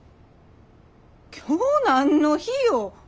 今日何の日よ。